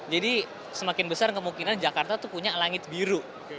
jadi semakin besar kemungkinan jakarta itu punya langit biru